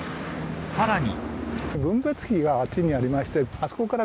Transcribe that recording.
さらに。